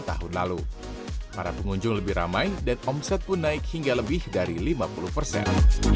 tahun lalu para pengunjung lebih ramai dan omset pun naik hingga lebih dari lima puluh persen